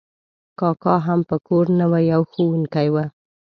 کاکا هم په کور نه و، یو ښوونکی و.